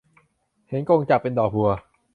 เห็นกงจักรเป็นดอกบัว